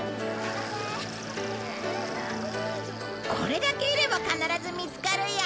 これだけいれば必ず見つかるよ。